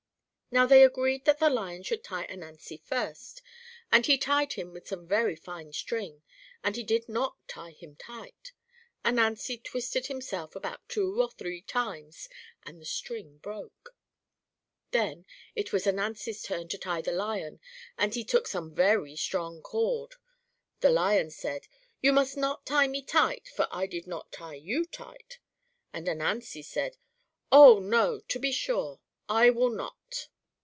Now they agreed that the Lion should tie Ananzi first, and he tied him with some very fine string, and did not tie him tight. Ananzi twisted himself about two or three times, and the string broke. Then it was Ananzi's turn to tie the Lion, and he took some very strong cord. The Lion said, "You must not tie me tight, for I did not tie you tight." And Ananzi said, "Oh! no, to be sure, I will not."